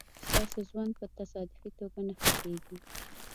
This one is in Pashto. ستاسو ژوند په تصادفي توګه نه ښه کېږي.